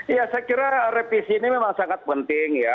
ya saya kira revisi ini memang sangat penting ya